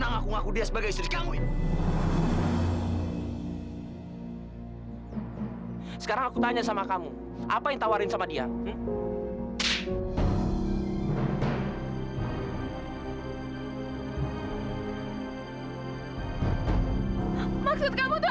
apa kamu sebetulnya yang udah nyesel nyakitin perasaan dewi